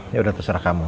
yaudah terserah kamu